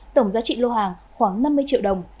tổng giá trị lô hàng khoảng năm mươi triệu đồng